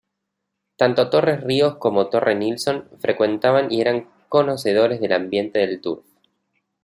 Tanto Torres Ríos como Torre Nilsson frecuentaban y eran conocedores del ambiente del turf.